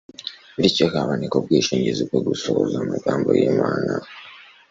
Bityo haboneka ubwishingizi bwo gusohoza amagambo y'Imana.